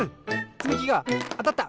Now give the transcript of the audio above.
つみきがあたった！